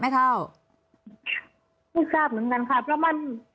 ไม่ทราบเหมือนกันค่ะเพราะว่ามัน